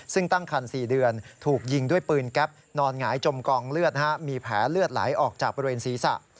ซึ่งตั้งคัน๔เดือนถูกยิงด้วยปืนแก๊ปนอนหงายจมกองเลือดมีแผลเลือดไหลออกจากบริเวณศีรษะ